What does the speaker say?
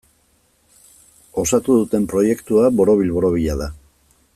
Osatu duten proiektua borobil-borobila da.